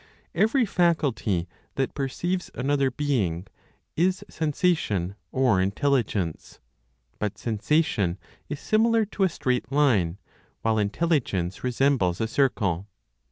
Every faculty that perceives another being is sensation or intelligence; but sensation is similar to a straight line, while intelligence resembles a circle.